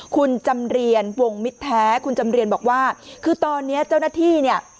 คุณจำเรียนวงมิตรแท้คุณจำเรียนบอกว่าคือตอนนี้เจ้าหน้าที่เนี่ย